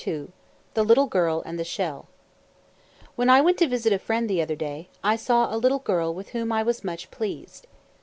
] The Little Girl and the Shell. When I went to visit a friend, the other day, I saw a little girl with whom I was much pleased.